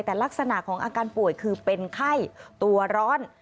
แต่ลักษณะของอาการป่วยคือเป็นไข้ตัวร้อน